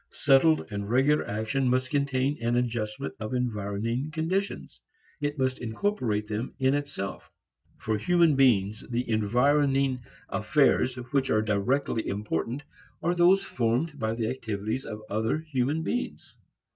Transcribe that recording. Settled and regular action must contain an adjustment of environing conditions; it must incorporate them in itself. For human beings, the environing affairs directly important are those formed by the activities of other human beings.